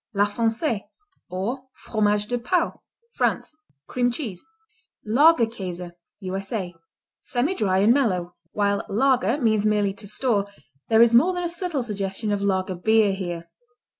La Foncée, or Fromage de Pau France Cream cheese. Lager Käse U.S.A. Semidry and mellow. While lager means merely "to store," there is more than a subtle suggestion of lager beer here.